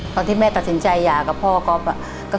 ตอนที่แม่ตัดสินใจกับพ่อของก๊อป